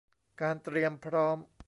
การเตรียมพร้อม